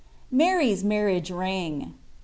MARY S MARRIAGE RING.